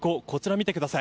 見てください。